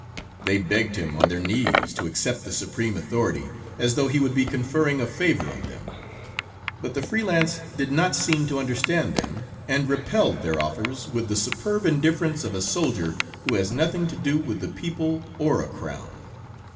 They begged him on their knees to accept the supreme authority, as though he would be conferring a favor on them, but the free lance did not seem to understand them, and repelled their offers with the superb indifference of a soldier who has nothing to do with the people or a crown.